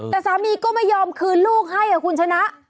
แต่สามีก็ไม่ยอมคืนลูกให้คุณชนะ